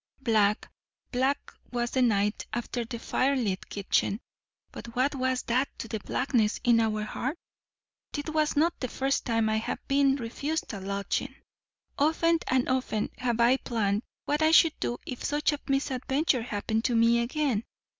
Black, black was the night after the firelit kitchen; but what was that to the blackness in our heart? This was not the first time that I have been refused a lodging. Often and often have I planned what I should do if such a misadventure happened to me again.